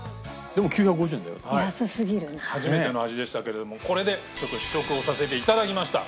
初めての味でしたけれどもこれで試食をさせて頂きました。